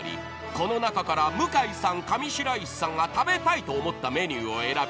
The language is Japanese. ［この中から向井さん上白石さんが食べたいと思ったメニューを選び